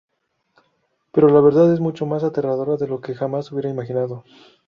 Pero la verdad es mucho más aterradora de lo que jamás hubiera imaginado.